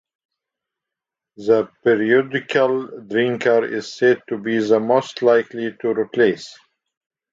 The periodical drinker is said to be the most likely to relapse.